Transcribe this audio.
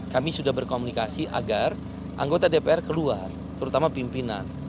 kami sudah berkomunikasi agar anggota dpr keluar terutama pimpinan